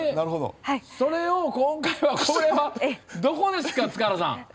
それを今回はこれはどこですか？